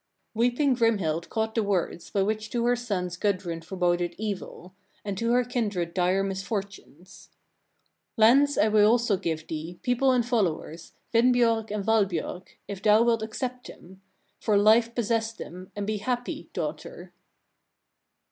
32. Weeping Grimhild caught the words, by which to her sons Gudrun foreboded evil, and to her kindred dire misfortunes. "Lands I will also give thee, people and followers, Vinbiorg and Valbiorg, if thou wilt accept them; for life possess them, and be happy, daughter!"